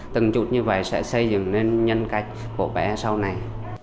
từng chút như vậy sẽ xây dựng lên nhân cách của bé sau này